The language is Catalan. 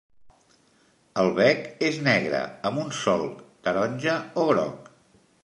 El bec és negre amb un solc taronja o groc.